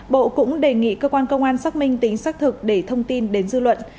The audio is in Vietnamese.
bộ cũng đề nghị cơ quan công an xác minh tính xác thực để thông tin đến dư luận